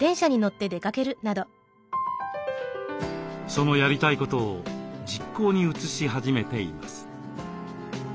そのやりたいことを実行に移し始めています。